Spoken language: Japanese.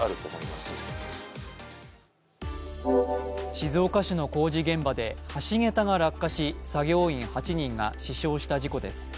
静岡市の工事現場で橋桁が落下し作業員８人が死傷した事故です。